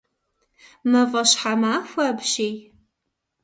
Мафӏэщхьэмахуэ апщий!